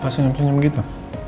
kenapa senyum senyum gitu